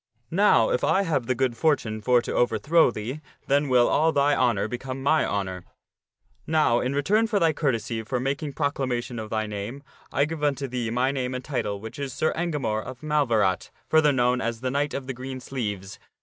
Now, if I have the good fortune for to overthrow thee, then will all thy honor become my honor. Now, in return for thy courtesy for making proclamation of thy name, I give unto thee my name and title, which is Sir Engamore of Malverat, further known as the Knight of the Green Sleeves.